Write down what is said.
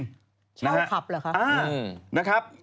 ชาวขับเหรอครับอืมนะครับ